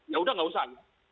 ya sudah tidak usah